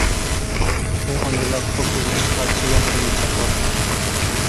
ئۇ ئەمدىلا قول ئۇزىتىشىغا چايان ئۇنى چېقىۋاپتۇ.